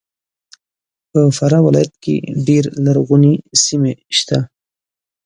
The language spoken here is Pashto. په فراه ولایت کې ډېر لرغونې سیمې سته